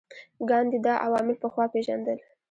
ګاندي دا عوامل پخوا پېژندل.